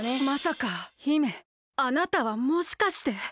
まさか姫あなたはもしかして。